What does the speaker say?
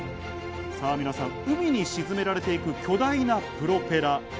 海に沈められていく巨大なプロペラ。